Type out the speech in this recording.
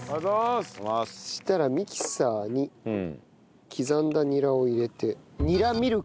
そしたらミキサーに刻んだニラを入れてニラミルク。